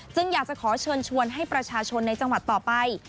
อยากจะขอเชิญชวนให้ประชาชนในจังหวัดต่อไป